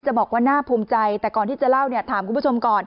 บอกว่าน่าภูมิใจแต่ก่อนที่จะเล่าเนี่ยถามคุณผู้ชมก่อน